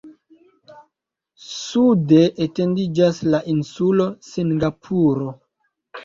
Sude etendiĝas la insulo Singapuro.